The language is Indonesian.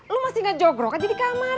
lu masih punya minum ev court di kamar